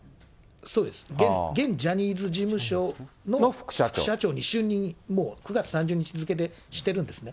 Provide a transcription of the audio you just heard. そうです、現ジャニーズ事務所の副社長に就任、もう９月３０日付でしてるんですね。